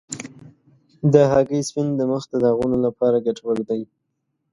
د هګۍ سپین د مخ د داغونو لپاره ګټور دی.